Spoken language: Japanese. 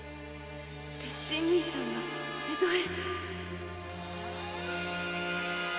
鉄心兄さんが江戸へ！